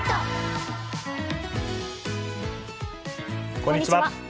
こんにちは。